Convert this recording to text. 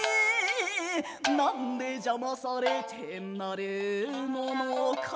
「なんで邪魔されてなるものか」